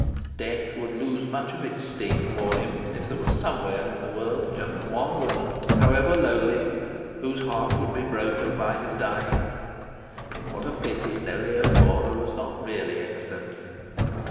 Death would lose much of its sting for him if there were somewhere in the world just one woman, however lowly, whose heart would be broken by his dying. What a pity Nellie O'Mora was not really extant!